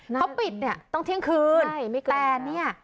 เขาปิดเนี้ยต้องเที่ยงคืนใช่ไม่เกินแต่เนี้ย